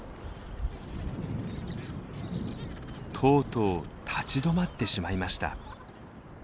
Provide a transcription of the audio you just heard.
とうとう立ち止まってしまいました。